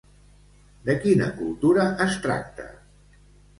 De quina cultura es tracta?